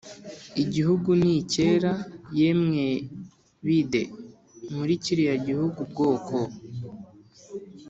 igihugu ni cyera: yemwe bide muri kiriya gihugu ubwoko,